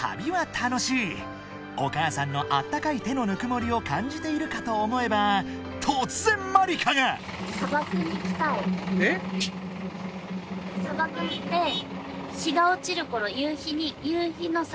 ［お母さんのあったかい手のぬくもりを感じているかと思えば突然まりかが］日が落ちるころ。